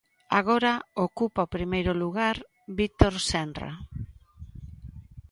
Agora ocupa o primeiro lugar Víctor Senra.